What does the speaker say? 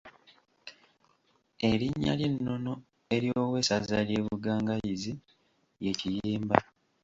Erinnya ery’ennono ery’owessaza ly’e Bugangayizi ye Kiyimba.